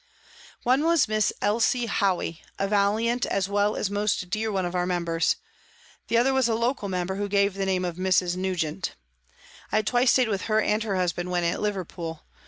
One was Miss Elsie Howey, a valiant as well as most dear one of our members ; the other was a local member, who gave the name of Mrs. Nugent. I had twice stayed with her and her husband when at Liverpool.